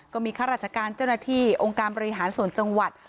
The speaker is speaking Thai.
ข้าราชการเจ้าหน้าที่องค์การบริหารส่วนจังหวัด